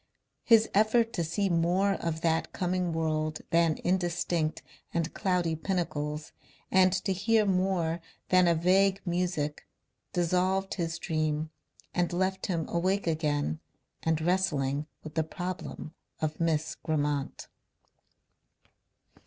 His effort to see more of that coming world than indistinct and cloudy pinnacles and to hear more than a vague music, dissolved his dream and left him awake again and wrestling with the problem of Miss Grammont.